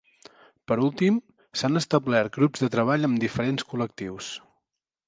Per últim, s'han establert grups de treball amb diferents col·lectius.